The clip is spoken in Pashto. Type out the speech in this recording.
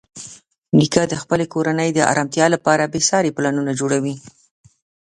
نیکه د خپلې کورنۍ د ارامتیا لپاره بېساري پلانونه جوړوي.